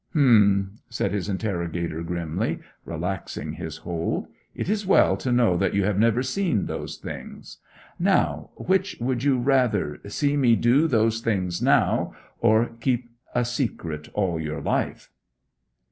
'H'm!' said his interrogator, grimly, relaxing his hold. 'It is well to know that you have never seen those things. Now, which would you rather see me do those things now, or keep a secret all your life?'